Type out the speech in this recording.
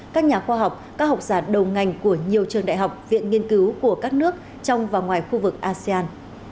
các nhà khoa học các học giả đầu ngành của nhiều trường đại học viện nghiên cứu của các nước trong và ngoài khu vực asean